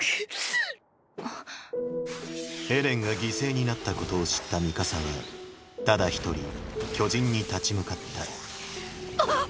エレンが犠牲になったことを知ったミカサはただ一人巨人に立ち向かったあっ！